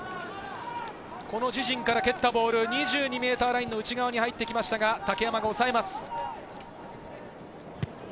この自陣から蹴ったボール、２２ｍラインの内側に入ってきましたが、竹山がおさえます。